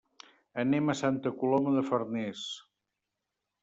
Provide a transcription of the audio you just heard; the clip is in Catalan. Anem a Santa Coloma de Farners.